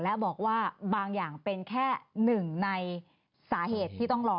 และบอกว่าบางอย่างเป็นแค่หนึ่งในสาเหตุที่ต้องรอ